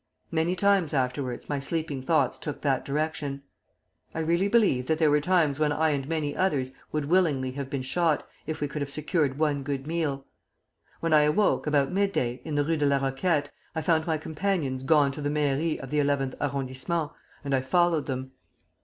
Many times afterwards my sleeping thoughts took that direction. I really believe that there were times when I and many others would willingly have been shot, if we could have secured one good meal, When I awoke, about mid day, in the Rue de la Roquette, I found my companions gone to the mairie of the Eleventh Arrondissement, and I followed them.